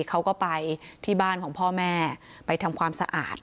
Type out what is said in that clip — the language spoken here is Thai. เขาก็ไปที่บ้านของพ่อแม่ไปทำความสะอาด